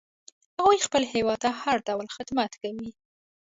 هغوی خپل هیواد ته هر ډول خدمت کوي